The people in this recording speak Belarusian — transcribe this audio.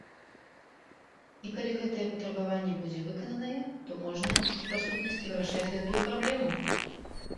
І калі гэтае патрабаванне будзе выкананае, то можна і па сутнасці вырашаць гэтую праблему.